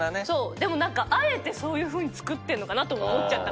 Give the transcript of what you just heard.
でもあえてそういうふうに作ってるのかなと思ったから。